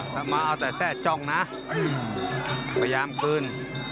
ถ้ามาเอาแต่แทร่จ้องนะพยายามคืน